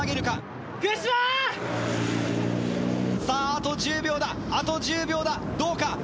さぁあと１０秒だあと１０秒だどうか。